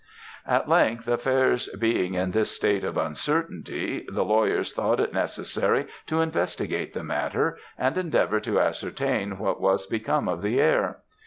"At length, affairs being in this state of uncertainty, the lawyers thought it necessary to investigate the matter, and endeavour to ascertain what was become of the heir.